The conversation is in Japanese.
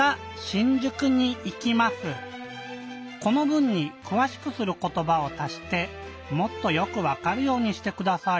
この文に「くわしくすることば」を足してもっとよくわかるようにしてください。